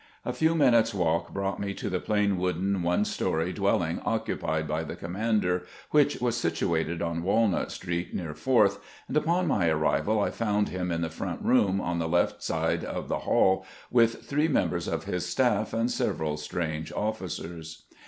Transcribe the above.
A few minutes' walk brought me to the plain wooden, one story dwell ing occupied by the commander, which was situated on Walnut street, near Fourth, and upon my arrival I found him in the front room on the left side of the hall, with three members of his staff and several strange ofl&cers.